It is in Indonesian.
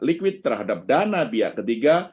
likuid terhadap dana biaya ketiga